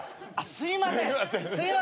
すいません。